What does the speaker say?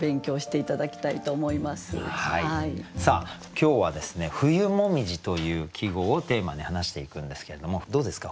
今日はですね「冬紅葉」という季語をテーマに話していくんですけれどもどうですか？